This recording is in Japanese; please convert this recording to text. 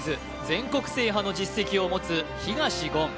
全国制覇の実績を持つ東言